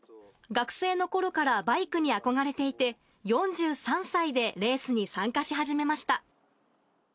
学生のころからバイクに憧れていて、４３歳でレースに参加し始めました。